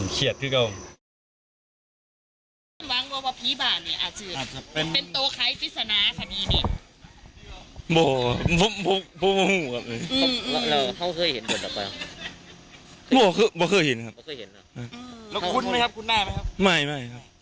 เครียดป่ะอืมเครียดคือเกาะ